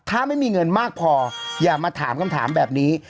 ถ้าไม่มีเงินมากพออย่ามาถามคำถามแบบนี้